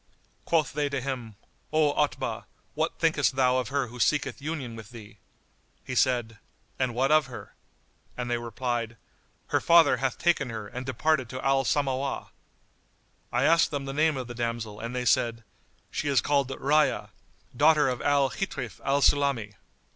Quoth they to him, "O Otbah, what thinkest thou of her who seeketh union with thee?" He said, "And what of her?"; and they replied, "Her father hath taken her and departed to Al Samawah."[FN#85] I asked them the name of the damsel and they said, "She is called Rayyá, daughter of Al Ghitríf al Sulami."